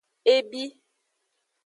E bi.